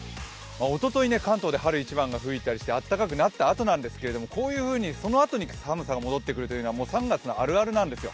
おととい、関東で春一番が吹いたりして暖かくなったあとなんですけど、こういうふうに寒さが戻ってくるというのは３月のあるあるなんですよ。